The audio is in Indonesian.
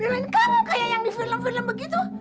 film kamu kayak yang di film film begitu